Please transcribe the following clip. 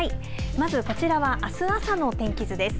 まずこちらはあす朝の天気図です。